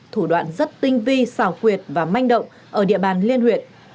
thủ đoạn rất tinh vi xảo quyệt và manh động ở địa bàn liên huyện